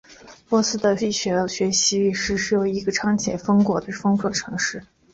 波斯的医学的学习与实施有一个长且成果丰硕的历史。